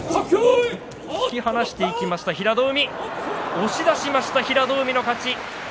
押し出しました平戸海の勝ち。